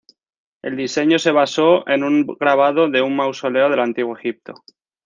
El diseño se basó en un grabado de un mausoleo del antiguo Egipto.